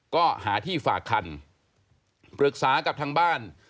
ก็หาที่ฝากคันปรึกษากับทางบ้าน